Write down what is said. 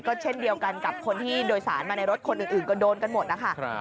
ก็เช่นเดียวกันกับคนที่โดยสารมาในรถคนอื่นก็โดนกันหมดนะคะ